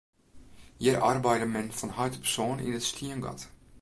Hjir arbeide men fan heit op soan yn it stiengat.